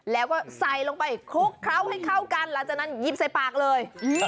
แล้วก็ใส่ลงไปคลุกเคล้าให้เข้ากันหลังจากนั้นหยิบใส่ปากเลย